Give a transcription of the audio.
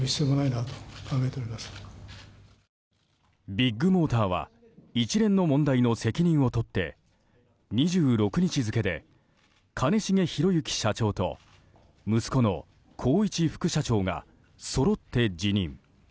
ビッグモーターは一連の問題の責任を取って２６日付で兼重宏行社長と息子の宏一副社長がそろって辞任。